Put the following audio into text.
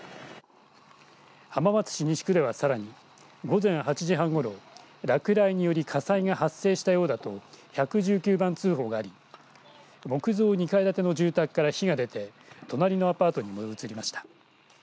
浜松市西区ではさらに午前８時半ごろ落雷により火災が発生したようだと１１９番通報があり木造２階建ての住宅から火が出て隣のアパートに燃え移りました。